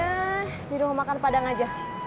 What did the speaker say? eh di rumah makan padang aja